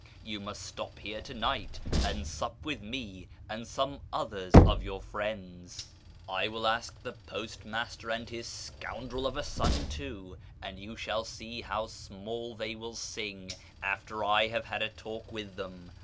You must stop here to night and sup with me and some others of your friends. FROM KIRMAn to ENGLAND 541 I will ask the postmaster and his scoundrel of a son too, and you shall see how small they will sing after I have had a talk with them.